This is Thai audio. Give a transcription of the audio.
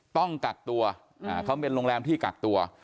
ต้องกักตัวเขาเป็นโรงแรมที่กักตัว